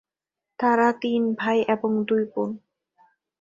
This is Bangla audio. তারা তিন ভাই এবং দুই বোন।